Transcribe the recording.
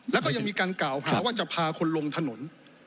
แล้วก็ยังมีการกล่าวหาว่าจะพาคนลงถนน